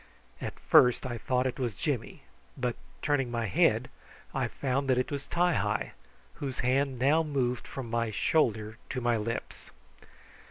At first I thought it was Jimmy, but turning my head I found that it was Ti hi, whose hand now moved from my shoulder to my lips.